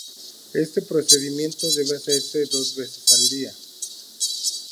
Este procedimiento debe hacerse dos veces al día.